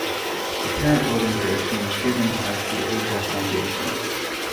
The parent organization was given as the Asia Foundation.